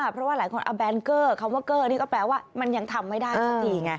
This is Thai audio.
เพราะว่าหลายคนเอาแบนเกอร์คำว่าเกอร์นี่ก็แปลว่ามันยังทำไม่ได้สักทีไง